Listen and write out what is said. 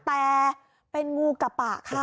แต่เป็นงูกระปะค่ะ